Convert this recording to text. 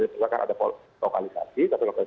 silakan ada lokalisasi